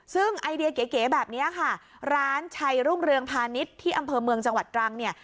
ซึ่งไอเดียเก๋แบบนี้ค่ะร้านชัยรุ่งเรืองพาณิชย์ที่อำเภอเมืองจังหวัดตรังเนี่ย